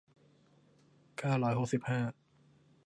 เก้าร้อยหกสิบห้า